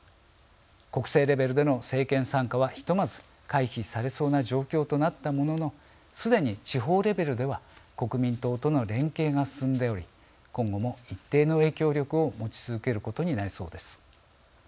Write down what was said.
国政レベルでの政権参加はひとまず回避されそうな状況となったもののすでに地方レベルでは国民党との連携が進んでおり今後も一定の影響力を持ち続けることになりそうです。